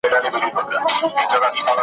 له باران سره ملګري توند بادونه .